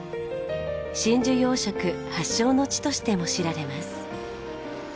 真珠養殖発祥の地としても知られます。